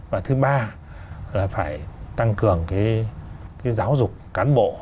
và thứ ba là phải tăng cường cái giáo dục cán bộ